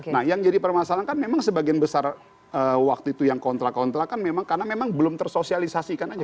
nah yang jadi permasalahan kan memang sebagian besar waktu itu yang kontra kontra kan memang karena memang belum tersosialisasikan aja